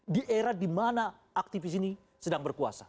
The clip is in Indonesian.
di era di mana aktivis ini sedang berkuasa